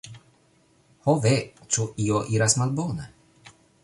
"ho ve, ĉu io iras malbone?"